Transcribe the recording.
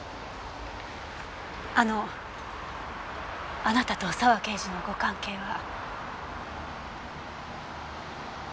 あのあなたと沢刑事のご関係は？